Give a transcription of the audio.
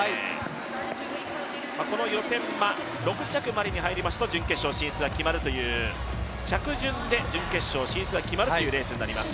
この予選は６着までに入りますと準決勝進出が決まるという着順で準決勝進出が決まるというレースになります。